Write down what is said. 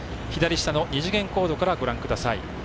左下の二次元コードからご覧ください。